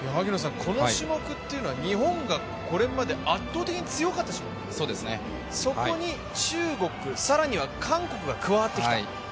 この種目っていうのは日本がこれまで圧倒的に強かった種目、そこに中国、更には韓国が加わってきたと。